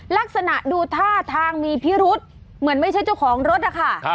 ลักษณะดูท่าทางมีพิรุษเหมือนไม่ใช่เจ้าของรถนะคะ